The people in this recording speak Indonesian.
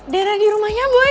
dinner di rumahnya boy